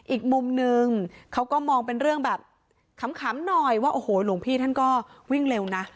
อีกมุมนึงเขาก็มองเป็นเรื่องแบบขำหน่อยว่าโอ้โหหลวงพี่ท่านก็วิ่งเร็วนะ